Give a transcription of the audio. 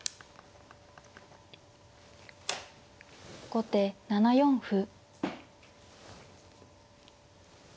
後手７四歩。